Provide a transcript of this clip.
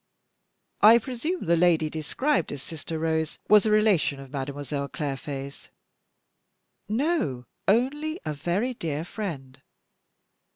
"I presume that the lady described as 'Sister Rose' was a relation of Mademoiselle Clairfait's?" "No, only a very dear friend.